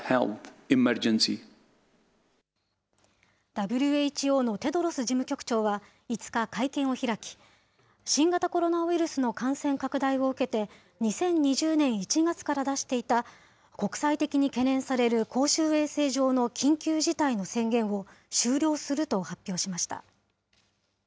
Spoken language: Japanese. ＷＨＯのテドロス事務局長は、５日、会見を開き、新型コロナウイルスの感染拡大を受けて２０２０年１月から出していた、国際的に懸念される公衆衛生上の緊急事態の宣言を、終了すると発表しました。